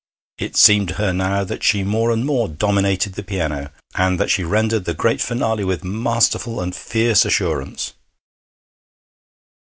It seemed to her now that she more and more dominated the piano, and that she rendered the great finale with masterful and fierce assurance....